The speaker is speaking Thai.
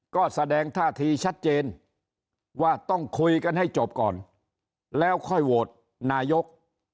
ก็แสดงท่าทีชัดเจนว่าต้องคุยกันให้จบก่อนแล้วค่อยโหวตนายก